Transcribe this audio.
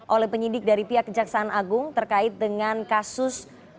oleh penyidik dari pihak kejaksaan agung terkait dengan kasus